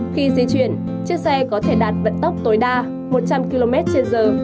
khi di chuyển chiếc xe có thể đạt vận tốc tối đa một trăm linh km trên giờ